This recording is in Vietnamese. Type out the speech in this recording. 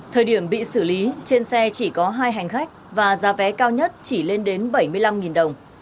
thời điểm bị xử lý trên xe chỉ có hai hành khách và giá vé cao nhất chỉ lên đến bảy mươi năm đồng